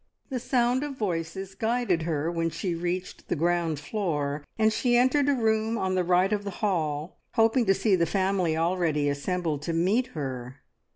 The sound of voices guided her when she reached the ground floor, and she entered a room on the right of the hall, hoping to see the family already assembled to meet her.